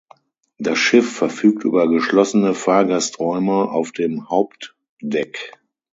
Das Schiff verfügt über geschlossene Fahrgasträume auf dem Hauptdeck.